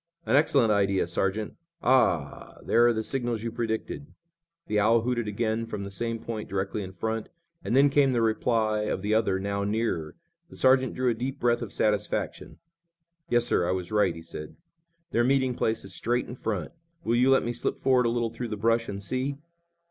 "An excellent idea, Sergeant. Ah! there are the signals you predicted!" The owl hooted again from the same point directly in front, and then came the reply of the other, now nearer. The sergeant drew a deep breath of satisfaction. "Yes, sir, I was right," he said. "Their meeting place is straight in front. Will you let me slip forward a little through the brush and see?"